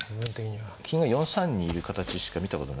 金が４三にいる形しか見たことないんで。